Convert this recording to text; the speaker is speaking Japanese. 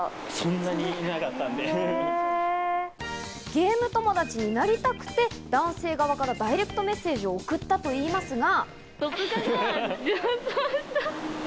ゲーム友達になりたくて、男性側からダイレクトメッセージを送ったといいますが。